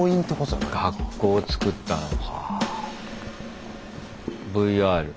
学校をつくったのか。